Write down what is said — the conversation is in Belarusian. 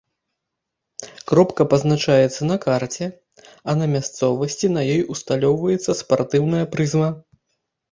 Кропка пазначаецца на карце, а на мясцовасці на ёй усталёўваецца спартыўная прызма.